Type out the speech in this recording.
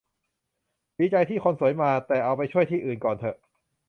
ดีใจที่คนสวยมา แต่เอาไปช่วยที่อื่นก่อนเถอะ